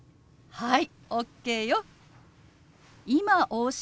はい！